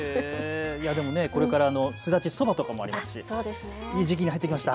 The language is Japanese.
これからスダチそばとかもありますしいい時期に入ってきました。